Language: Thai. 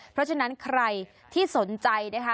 เพราะฉะนั้นใครที่สนใจนะคะ